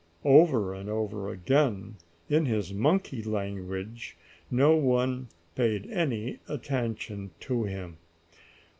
over and over again, in his monkey language, no one paid any attention to him.